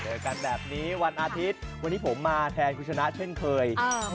เจอกันแบบนี้วันอาทิตย์วันนี้ผมมาแทนคุณชนะเช่นเคยครับ